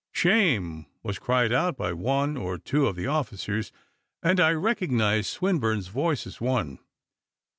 "Shame!" was cried out by one or two of the officers, and I recognised Swinburne's voice as one.